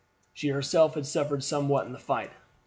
She herself had suffered somewhat in the fight.